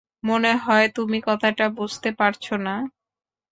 মনে হয় তুমি কথাটা বুঝতে পারছো না।